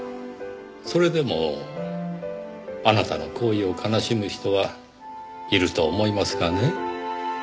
それでもあなたの行為を悲しむ人はいると思いますがね。